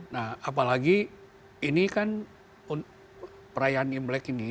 nah apalagi ini kan perayaan imlek ini